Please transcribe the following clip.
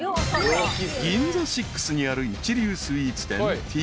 ［ＧＩＮＺＡＳＩＸにある一流スイーツ店Ｔ’